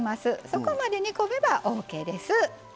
そこまで煮込めばオーケーです。